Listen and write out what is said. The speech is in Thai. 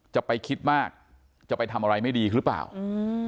จะไปคิดมากจะไปทำอะไรไม่ดีหรือเปล่าอืม